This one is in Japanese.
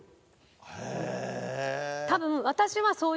へえ。